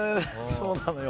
そうなのよ。